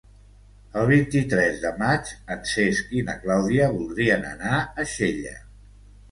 El vint-i-tres de maig en Cesc i na Clàudia voldrien anar a Xella.